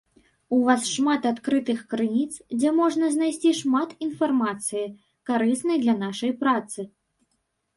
У вас шмат адкрытых крыніц, дзе можна знайсці шмат інфармацыі, карыснай для нашай працы.